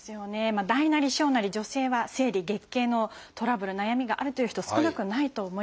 大なり小なり女性は生理月経のトラブル悩みがあるっていう人少なくないと思います。